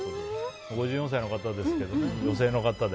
５４歳の方ですけど女性の方で。